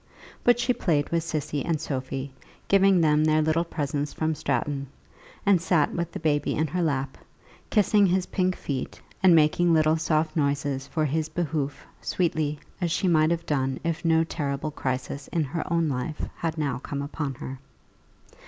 But she played with Cissy and Sophie, giving them their little presents from Stratton; and sat with the baby in her lap, kissing his pink feet and making little soft noises for his behoof, sweetly as she might have done if no terrible crisis in her own life had now come upon her.